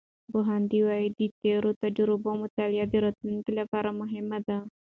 پوهاند وایي، د تیرو تجربو مطالعه د راتلونکي لپاره مهمه ده.